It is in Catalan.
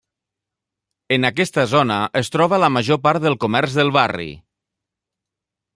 En aquesta zona es troba la major part del comerç del barri.